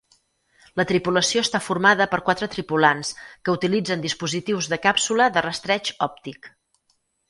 La tripulació està formada per quatre tripulants que utilitzen dispositius de càpsula de rastreig òptic.